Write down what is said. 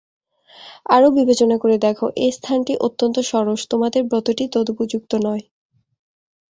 আরো বিবেচনা করে দেখো, এ স্থানটি অত্যন্ত সরস, তোমাদের ব্রতটি তদুপযুক্ত নয়।